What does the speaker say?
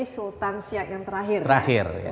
sultan siak yang terakhir terakhir